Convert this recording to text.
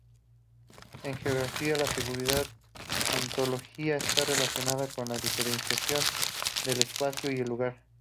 En geografía, la seguridad ontológica está relacionado con la diferenciación de "espacio" y "lugar".